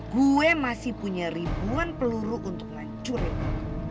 gue masih punya ribuan peluru untuk ngancurinmu